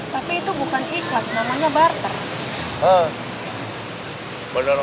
tapi itu bukan ikhlas namanya barter